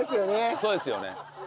そうですよね。